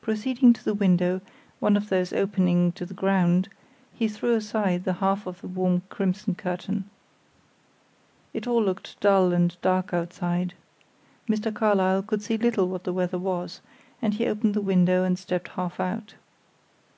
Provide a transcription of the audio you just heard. Proceeding to the window, one of those opening to the ground, he threw aside the half of the warm crimson curtain. It all looked dull and dark outside. Mr. Carlyle could see little what the weather was, and he opened the window and stepped half out.